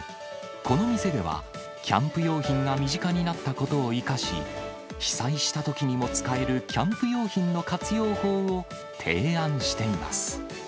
この店では、キャンプ用品が身近になったことを生かし、被災したときにも使えるキャンプ用品の活用法を提案しています。